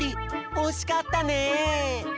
おしかったね！